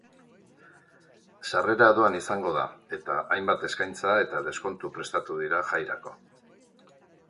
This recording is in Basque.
Sarrera doan izango da eta hainbat eskaintza eta deskontu prestatu dira jairako.